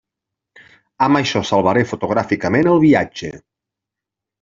Amb això salvaré fotogràficament el viatge.